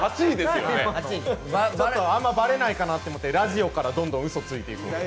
あまりバレないかなと思ってラジオからどんどんうそをついていこうと。